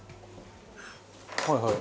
はいはい。